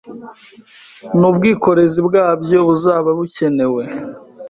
n'ubwikorezi bwabyo buzaba bukenewe